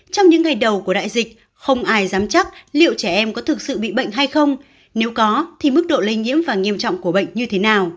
trong những ngày đầu của đại dịch không ai dám chắc liệu trẻ em có thực sự bị bệnh hay không nếu có thì mức độ lây nhiễm và nghiêm trọng của bệnh như thế nào